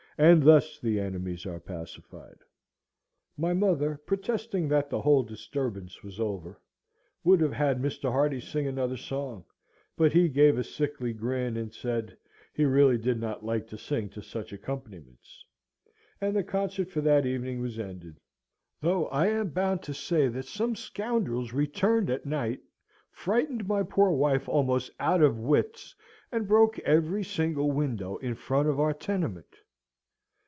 And thus the enemies are pacified. My mother, protesting that the whole disturbance was over, would have had Mr. Hardy sing another song, but he gave a sickly grin, and said, "he really did not like to sing to such accompaniments," and the concert for that evening was ended; though I am bound to say that some scoundrels returned at night, frightened my poor wife almost out of wits, and broke every single window in the front of our tenement.